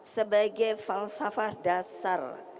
sebagai falsafah dasar